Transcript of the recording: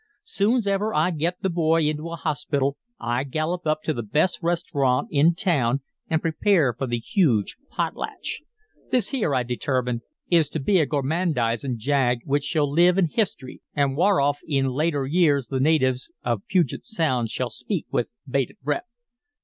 "Soon's ever I get the boy into a hospital, I gallop up to the best restarawnt in town an' prepare for the huge pot latch. This here, I determine, is to be a gormandizin' jag which shall live in hist'ry, an' wharof in later years the natives of Puget Sound shall speak with bated breath.